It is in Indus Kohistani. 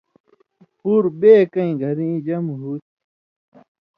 پُور بَیکَیں گھرِیں جمع ہُو تھی